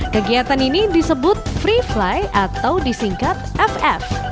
kegiatan ini disebut free fly atau disingkat ff